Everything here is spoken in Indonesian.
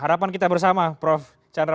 harapan kita bersama prof chandra